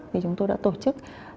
thì chúng tôi đã tổ chức